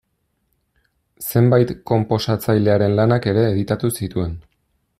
Zenbait konposatzaileren lanak ere editatu zituen.